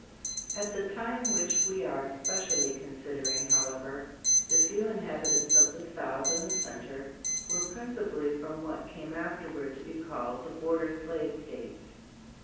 ] At the time which we are specially considering, however, the few inhabitants of the south and the center were principally from what came afterwards to be called the border slave States.